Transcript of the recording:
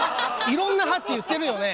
いろんな派って言ってるよね？